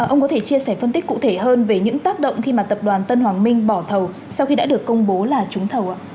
ông có thể chia sẻ phân tích cụ thể hơn về những tác động khi mà tập đoàn tân hoàng minh bỏ thầu sau khi đã được công bố là trúng thầu